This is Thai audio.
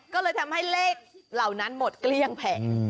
ก็เลยทำให้เลขเหล่านั้นหมดเกลี้ยงแผง